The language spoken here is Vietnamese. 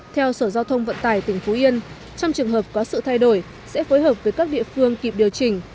theo sở giao thông vận tải tỉnh phú yên trong trường hợp có sự thay đổi sẽ phối hợp với các địa phương kịp điều chỉnh